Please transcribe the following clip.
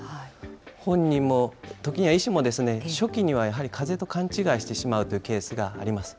本人も、時には医師も、初期にはやはりかぜと勘違いしてしまうというケースがあります。